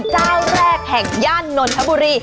เจ้าแรกแห่งย่านนทบุรี